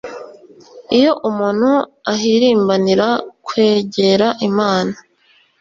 Iyo umuntu ahirimbanira kwegera Imana,